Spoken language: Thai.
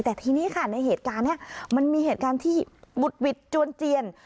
แต่ทีนี้ค่ะในเหตุการณ์นี้มันมีเหตุการณ์ที่บุดหวิดจวนเจียน